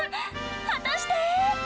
果たして